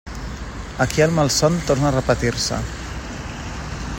Aquí el malson torna a repetir-se.